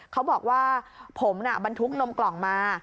เขาบอกว่าผมบรรทุกนมกล่องมา